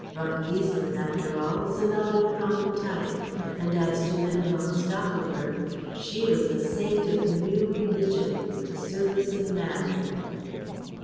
Von Giesselin, after all, was a not uncommon type; and as to Minna von Stachelberg, she was a saint of the New Religion, the Service of Man.